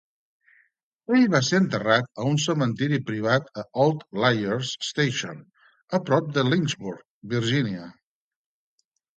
Ell va ser enterrat a un cementiri privat a Old Lawyers Station, a prop de Lynchburg, Virgínia.